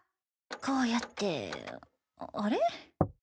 こうやってあれ？